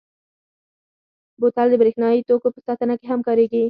بوتل د برېښنايي توکو په ساتنه کې هم کارېږي.